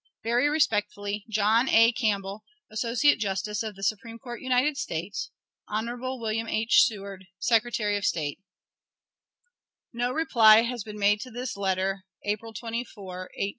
Very respectfully, JOHN A. CAMPBELL, Associate Justice of the Supreme Court, United States. Hon. William H. Seward, Secretary of State. No reply has been made to this letter, April 24, 1861. INDEX TO VOL. I.